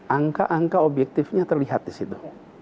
angka angka objektifnya terlihat di situ